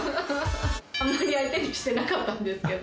あんまり相手にしてなかったんですけど。